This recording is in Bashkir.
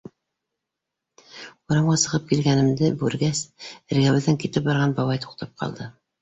Урамға сығып килгәнгемде күргәс, эргәбеҙҙән китеп барған бабай туҡтап ҡалды.